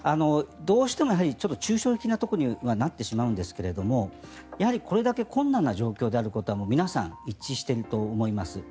どうしても抽象的なことにはなってしまうんですがやはり、これだけ困難な状況であることは皆さん一致していると思います。